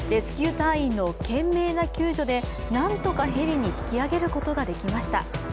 隊員の懸命な救助で何とかヘリに引き上げることができました。